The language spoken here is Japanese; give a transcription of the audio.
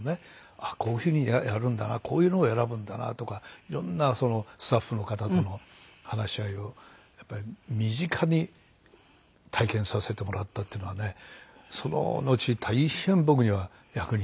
あっこういう風にやるんだなこういうのを選ぶんだなとかいろんなスタッフの方との話し合いを身近に体験させてもらったっていうのはねそののち大変僕には役に立ちました。